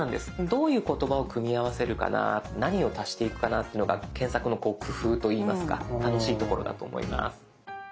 どういう言葉を組み合わせるかな何を足していくかなっていうのが検索の工夫といいますか楽しいところだと思います。